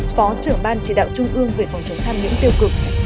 phó trưởng ban chỉ đạo trung ương về phòng chống tham nhũng tiêu cực